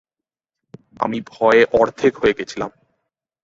আমি ভয়ে অর্ধেক হয়ে গেছিলাম।